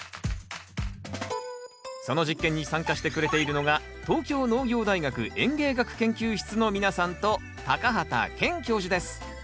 その実験に参加してくれているのが東京農業大学園芸学研究室の皆さんと畑健教授です。